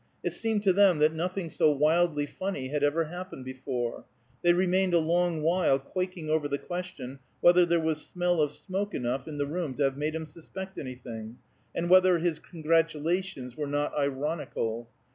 It seemed to them that nothing so wildly funny had ever happened before; they remained a long while quaking over the question whether there was smell of smoke enough in the room to have made him suspect anything, and whether his congratulations were not ironical.